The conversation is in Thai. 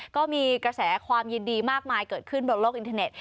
ก็มีกระแสความยินดีมากมายเกิดขึ้นบนโลกอินเทอร์เน็ต